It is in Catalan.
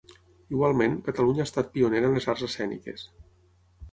Igualment, Catalunya ha estat pionera en les arts escèniques.